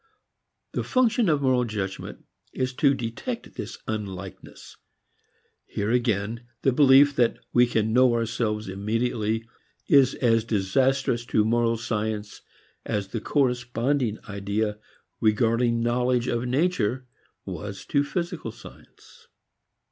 The function of moral judgment is to detect this unlikeness. Here, again, the belief that we can know ourselves immediately is as disastrous to moral science as the corresponding idea regarding knowledge of nature was to physical science.